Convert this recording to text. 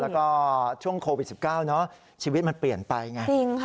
แล้วก็ช่วงโควิด๑๙เนอะชีวิตมันเปลี่ยนไปไง